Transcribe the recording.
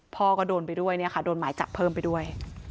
พ่อก็โดนไปด้วยเนี่ยค่ะโดนหมายจับเพิ่มไปด้วย